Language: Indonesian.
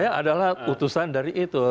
ya adalah utusan dari itu